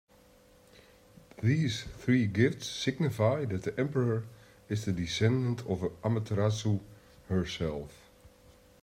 These three gifts signify that the emperor is the descendant of Amaterasu herself.